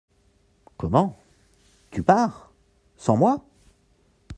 Comment ! tu pars ?… sans moi ?